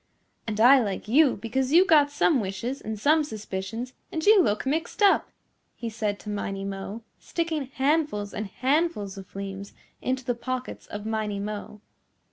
"And I like you because you got some wishes and some suspicions and you look mixed up," he said to Miney Mo, sticking handfuls and handfuls of fleems into the pockets of Miney Mo.